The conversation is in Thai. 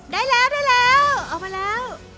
ได้แล้วได้แล้วเอามาแล้ว